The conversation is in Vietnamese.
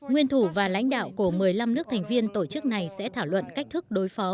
nguyên thủ và lãnh đạo của một mươi năm nước thành viên tổ chức này sẽ thảo luận cách thức đối phó